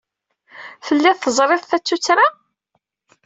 Telliḍ teẓriḍ ta d tuttra?